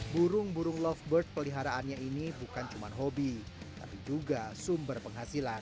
burung burung lovebird peliharaannya ini bukan cuma hobi tapi juga sumber penghasilan